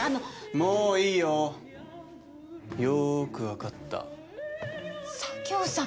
もういいよよーくわかった佐京さん